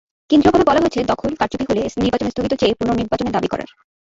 কেন্দ্রীয়ভাবে বলা হয়েছে, দখল, কারচুপি হলে নির্বাচন স্থগিত চেয়ে পুনর্নির্বাচনের দাবি করার।